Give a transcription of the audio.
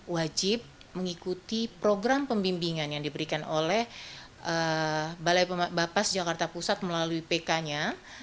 wajib mengikuti program pembimbingan yang diberikan oleh balai bapas jakarta pusat melalui pk nya